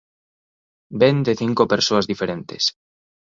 Vén de cinco persoas diferentes".